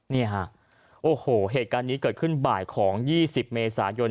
นี่ฮะโอ้โหเหตุการณ์นี้เกิดขึ้นบ่ายของ๒๐เมษายน